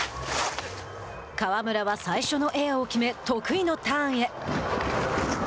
川村は最初のエアを決め得意のターンへ。